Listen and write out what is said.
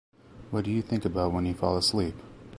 What do you think about when you fall asleep?